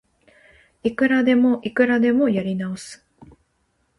いくらでもいくらでもやり直す